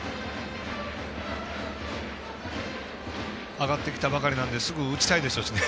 上がってきたばかりなのですぐ打ちたいでしょうしね。